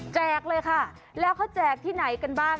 เลยค่ะแล้วเขาแจกที่ไหนกันบ้าง